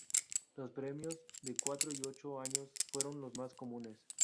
Los premios de cuatro y ocho años fueron los más comunes.